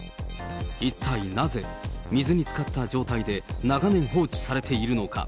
一体なぜ、水につかった状態で長年放置されているのか。